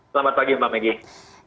selamat pagi mbak maggie